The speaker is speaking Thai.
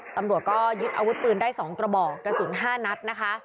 ตำรวจก็ยึดอาวุธปืนได้๒กระบอกกระสุน๕นัดนะคะ